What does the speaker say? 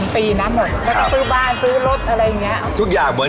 ๒๓ปีนะหมดแล้วก็ซื้อบ้านซื้อรถอะไรอย่างเงี้ย